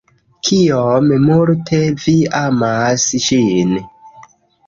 Kiom multe vi amas ŝin.